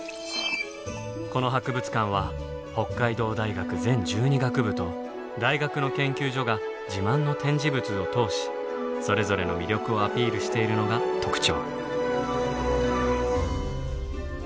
この博物館は北海道大学全１２学部と大学の研究所が自慢の展示物を通しそれぞれの魅力をアピールしているのが特徴。